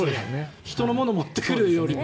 人のもの持ってくるよりも。